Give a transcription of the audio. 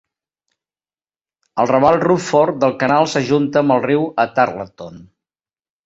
El ramal Rufford del canal s'ajunta amb el riu a Tarleton.